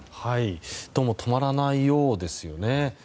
どうも止まらないようですね。